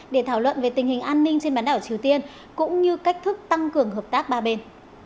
để thảo luận về tình hình an ninh trên bán đảo triều tiên cũng như cách thức tăng cường hợp tác ba bên